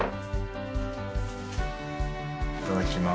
いただきます。